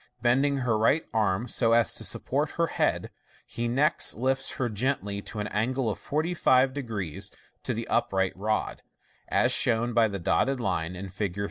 Bending her right arm so as to support her head, he next lifts her gently to an angle of 450 to the upright rod (as shown by the dotted line in Fig.